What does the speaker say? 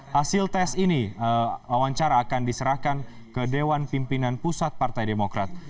hasil tes ini wawancara akan diserahkan ke dewan pimpinan pusat partai demokrat